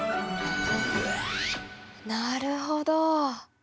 なるほど。